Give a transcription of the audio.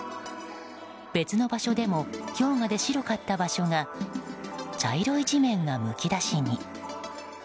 別の場所でも氷河で白かった場所が茶色い地面がむき出しに。